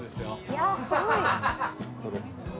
いやすごい。